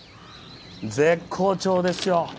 絶好調ですよ。